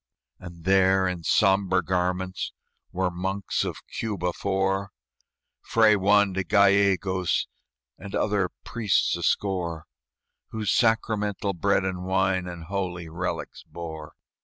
And there, in sombre garments, Were monks of Cuba four, Fray Juan de Gallegos, And other priests a score, Who sacramental bread and wine And holy relics bore.